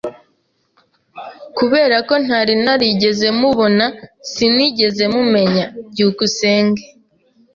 Kubera ko ntari narigeze mubona, sinigeze mumumenya. byukusenge